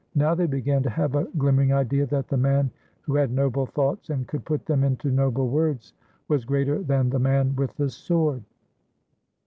Now they began to have a glimmer ing idea that the man who had noble thoughts and could put them into noble words was greater than the man with the sword.